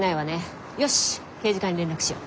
よし刑事課に連絡しよう。